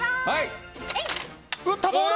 打ったボール！